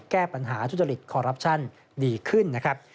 แก้ปัญหาทุจริตคอรัปชั่นดีขึ้นนะครับ